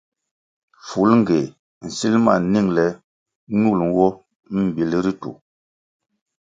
Fulngéh nsil ma ningle ñul nwo mbíl ritu.